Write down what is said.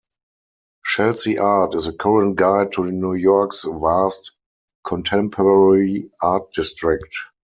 Chelsea Art is a current guide to New York's vast contemporary art district.